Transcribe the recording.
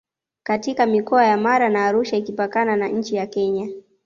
katika mikoa ya Mara na Arusha ikipakana na nchi ya Kenya